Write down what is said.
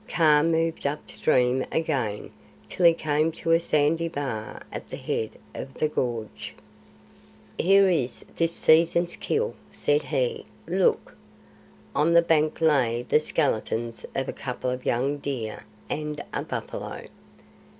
Kaa moved up stream again till he came to a sandy bar at the head of the gorge. "Here is this season's kill," said he. "Look!" On the bank lay the skeletons of a couple of young deer and a buffalo.